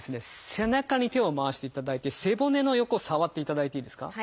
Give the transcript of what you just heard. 背中に手を回していただいて背骨の横触っていただいていいですか。